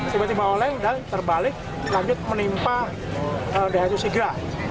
tiba tiba oleng dan terbalik lanjut menimpa deharu sigra